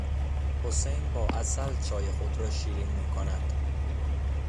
حسین با عسل چای خود را شیرین میکند.